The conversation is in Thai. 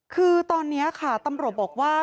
คือตอนนี้ค่ะตำรวจบอกว่า